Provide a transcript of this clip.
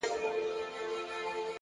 د نيمي شپې د خاموشۍ د فضا واړه ستـوري ـ